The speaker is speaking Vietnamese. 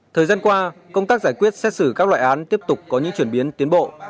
thời gian qua công tác giải quyết xét xử các loại án tiếp tục có những chuyển biến tiến bộ